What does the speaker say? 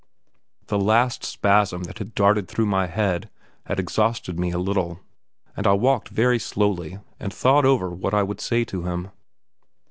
The last spasm that had darted through my head had exhausted me a little, and I walked very slowly and thought over what I would say to him.